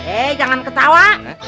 eh jangan ketawa